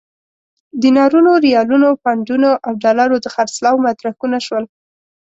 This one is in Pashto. دینارونو، ریالونو، پونډونو او ډالرو د خرڅلاو مدرکونه شول.